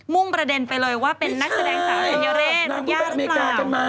มุ่งประเด็นไปเลยว่าเป็นนักแสดงสาวธรรยาเรชธรรยาหรือเปล่า